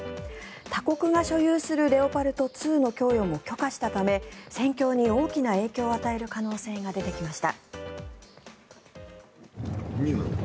他国が所有するレオパルト２の供与も許可したため戦況に大きな影響を与える可能性が出てきました。